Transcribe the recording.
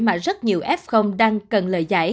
mà rất nhiều f đang cần